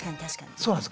そうなんです。